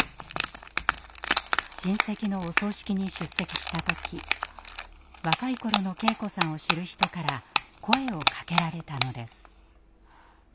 親戚のお葬式に出席した時若い頃の圭子さんを知る人から声をかけられたのです。